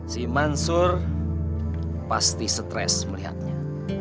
si mansur pasti stres melihatnya